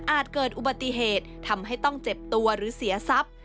เกิดอุบัติเหตุทำให้ต้องเจ็บตัวหรือเสียทรัพย์